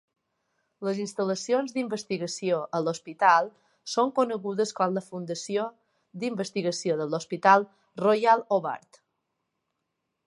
Les instal·lacions d'investigació a l'hospital són conegudes com la Fundació d'Investigació de l'Hospital Royal Hobart.